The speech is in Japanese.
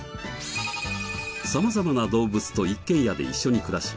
様々な動物と一軒家で一緒に暮らし